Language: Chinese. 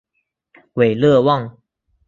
韦勒旺。